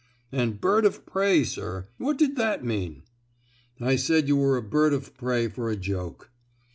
"And bird of prey, sir; what did that mean?" "I said you were a bird of prey for a joke."